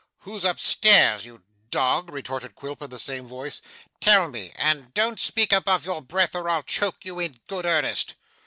'Who's up stairs, you dog?' retorted Quilp in the same tone. 'Tell me. And don't speak above your breath, or I'll choke you in good earnest.